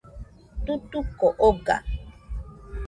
Tutuko oga